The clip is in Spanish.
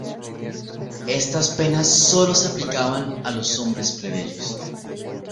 Estas penas sólo se aplicaban a los hombres plebeyos.